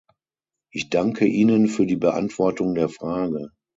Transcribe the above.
Ich danke Ihnen für die Beantwortung der Frage.